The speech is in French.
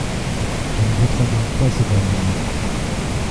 Je ne voterai donc pas cet amendement.